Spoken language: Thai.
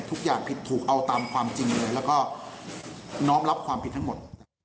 ทุกอย่างผิดถูกเอาตามความจริงเลยแล้วก็น้อมรับความผิดทั้งหมด